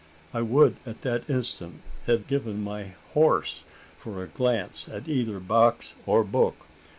I would at that instant have given my horse for a glance at either box or book.